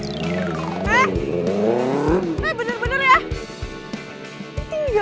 eh eh bener bener ya